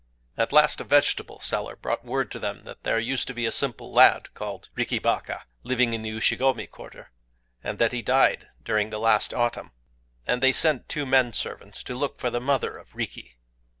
At last a vegetable seller brought word to them that there used to be a simple lad, called Riki Baka, living in the Ushigomé quarter, and that he had died during the last autumn; and they sent two men servants to look for the mother of Riki.